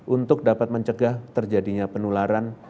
untuk dapat mencegah terjadinya penularan